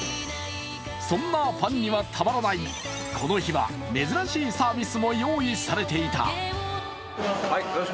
そんなファンにはたまらない、この日は珍しいサービスも用意されていた。